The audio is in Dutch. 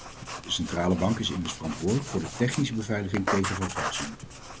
De centrale bank is immers verantwoordelijk voor de technische beveiliging tegen vervalsing.